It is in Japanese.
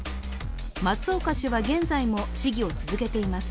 松岡氏は、現在も市議を続けています。